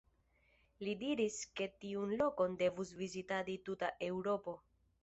Li diris, ke tiun lokon devus vizitadi tuta Eŭropo.